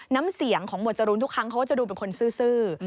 น้ำเสียงของหมวดจรูนทุกครั้งเขาก็จะดูเป็นคนซื้อ